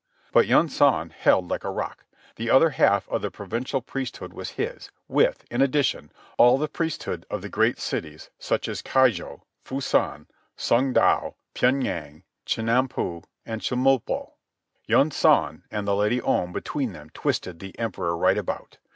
But Yunsan held like a rock. The other half of the provincial priesthood was his, with, in addition, all the priesthood of the great cities such as Keijo, Fusan, Songdo, Pyen Yang, Chenampo, and Chemulpo. Yunsan and the Lady Om, between them, twisted the Emperor right about.